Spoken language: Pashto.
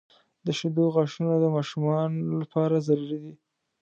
• د شیدو غاښونه د ماشومانو لپاره ضروري دي.